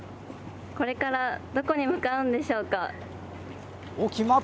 これからどこに向かうんでしょうか。